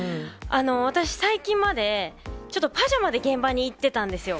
私、最近まで、ちょっとパジャマで現場に行ってたんですよ。